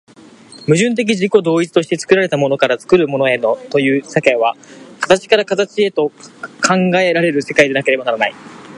矛盾的自己同一として作られたものから作るものへという世界は、形から形へと考えられる世界でなければならない。